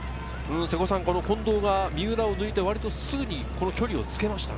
近藤が三浦を抜いて、割とすぐに距離をつけましたね。